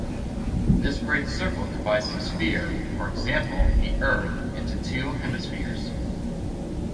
This great circle divides the sphere, e.g., the Earth, into two hemispheres.